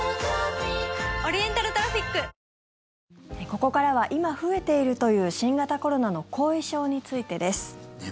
ここからは今増えているという新型コロナの後遺症についてです。